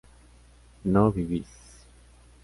no vivís